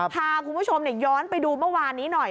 พาคุณผู้ชมย้อนไปดูเมื่อวานนี้หน่อย